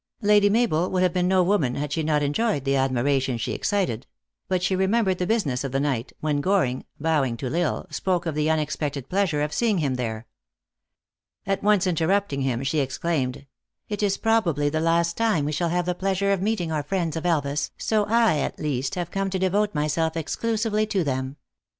Lady Mabel would have been 110 woman had she not enjoyed the admiration she ex cited ; but she remembered the business of the ni^ht, O " when Goring, bowing to L Isle, spoke of the unex pected pleasure of seeing him here. At once interrupting him, she exclaimed: "It is THE ACTRESS IN HIGH LIFE. 359 probably the last time we shall have the pleasure of meeting our friends of Elvas, so I at least have come to devote myself exclusively to them.